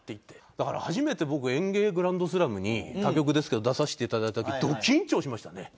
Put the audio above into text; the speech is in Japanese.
だから初めて僕『ＥＮＧＥＩグランドスラム』に他局ですけど出させていただいた時ど緊張しましたね。